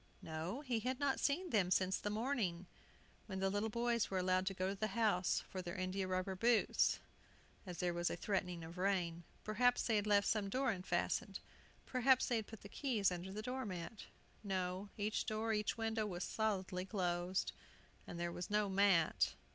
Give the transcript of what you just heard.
No, he had not seen them since the morning, when ah! yes, the little boys were allowed to go to the house for their india rubber boots, as there was a threatening of rain. Perhaps they had left some door unfastened perhaps they had put the keys under the door mat. No, each door, each window, was solidly closed, and there was no mat!